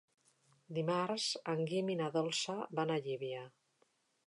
Dimarts en Guim i na Dolça van a Llívia.